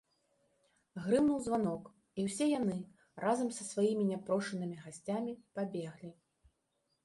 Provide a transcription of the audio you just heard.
Грымнуў званок, і ўсе яны, разам са сваімі няпрошанымі гасцямі, пабеглі.